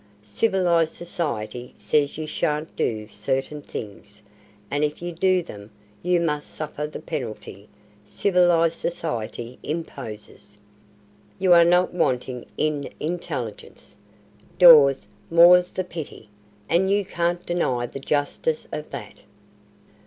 Civilized Society says you sha'n't do certain things, and if you do them you must suffer the penalty Civilized Society imposes. You are not wanting in intelligence, Dawes, more's the pity and you can't deny the justice of that."